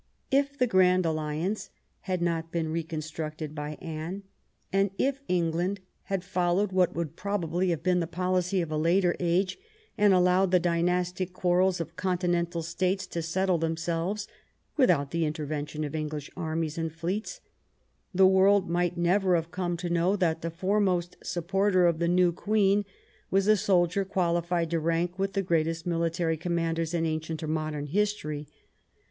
If the Grand Alliance had not been reconstructed by Anne, and if England had followed what would probably have been the policy of a later age, and al lowed the dynastic quarrels of continental states to settle themselves without the intervention of English armies and fleets, the world might never have come to know that the foremost supporter of the new Queen was a soldier qualified to rank with the greatest military commanders in ancient or modern history.